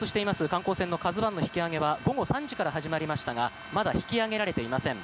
観光船「ＫＡＺＵ１」の引き揚げは午後３時から始まりましたがまだ引き揚げられていません。